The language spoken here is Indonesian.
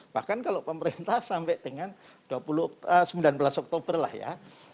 bahkan kalau pemerintah sampai dengan sembilan belas oktober lah ya